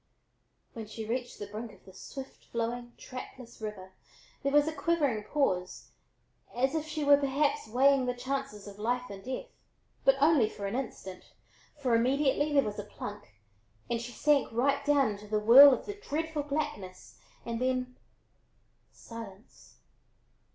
When she reached the brink of the swift flowing, trackless water, there was a quivering pause, as if she were perhaps weighing the chances of life and death; but only for an instant, for immediately there was a plunk and she sank right down into the whirl of the dreadful blackness and then silence.